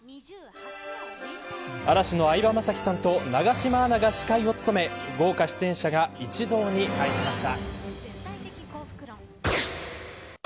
嵐の相葉雅紀さんと永島アナが司会を務め豪華出演者が一堂に会しました。